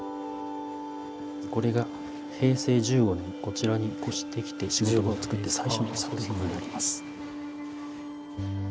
これが平成１５年こちらに越してきて仕事場をつくって最初の作品になります。